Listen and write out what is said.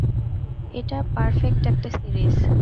এটা পারফেক্ট একটা সিরিজ।